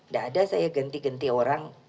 gak ada saya ganti ganti orang